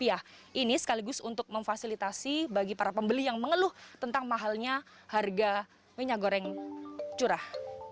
ini sekaligus untuk memfasilitasi bagi para pembeli yang mengeluh tentang mahalnya harga minyak goreng curah